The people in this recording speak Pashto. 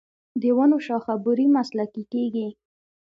د ونو شاخه بري مسلکي کیږي.